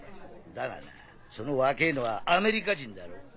だがなその若ぇのはアメリカ人だろ？